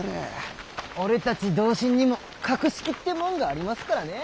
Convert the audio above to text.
俺たち同心にも格式ってもんがありますからね。